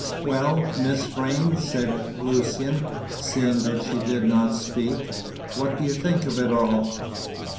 "Well, Miss Vrain," said Lucian, seeing that she did not speak, "what do you think of it all?"